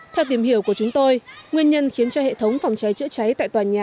theo tìm hiểu của chúng tôi nguyên nhân khiến cho hệ thống phòng cháy chữa cháy tại tòa nhà